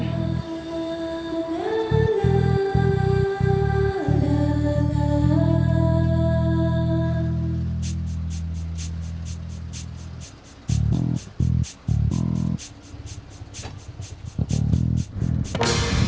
kami mau ke rumah